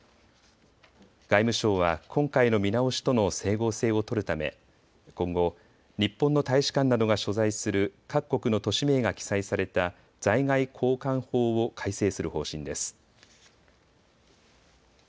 外務省は今回の見直しとの整合性を取るため今後、日本の大使館などが所在する各国の都市名が記載された在外公館法を改正する方針です。